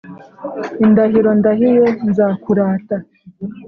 indahiro ndahiye nzakurata